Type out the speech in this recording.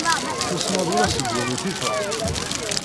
Tussmeḍ ula seg win i tifeḍ?